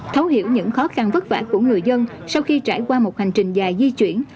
thấu hiểu những khó khăn vất vả của người dân sau khi trải qua một hành trình dài di chuyển